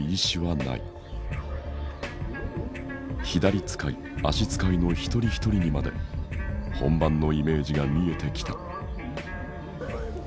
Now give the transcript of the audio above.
左遣い足遣いの一人一人にまで本番のイメージが見えてきた。